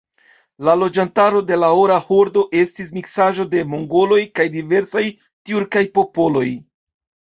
La loĝantaro de la Ora Hordo estis miksaĵo de mongoloj kaj diversaj tjurkaj popoloj.